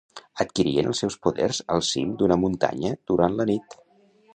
Adquirien els seus poders al cim d'una muntanya durant la nit.